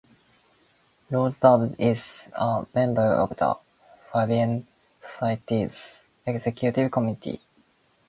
Lord Dubs is a member of the Fabian Society's Executive Committee.